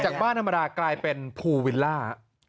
บ้านธรรมดากลายเป็นภูวิลล่า